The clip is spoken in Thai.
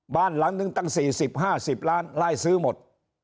บ้านหลังนึงตั้ง๔๐๕๐ล้านไล่ซื้อหมด